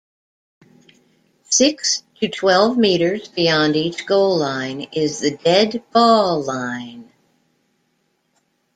Six to twelve metres beyond each goal-line is the dead ball line.